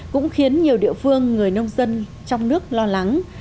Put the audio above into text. cũng khiến nhiều địa phương người nông dân trong nước lo lắng